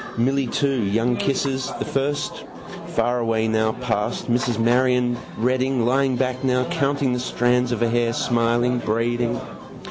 Milly too. Young kisses: the first. Far away now past. Mrs Marion. Reading, lying back now, counting the strands of her hair, smiling, braiding.